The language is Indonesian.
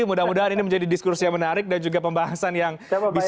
mudah mudahan ini menjadi diskusi yang menarik dan juga pembahasan yang bisa